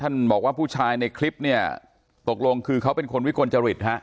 บอกว่าผู้ชายในคลิปเนี่ยตกลงคือเขาเป็นคนวิกลจริตฮะ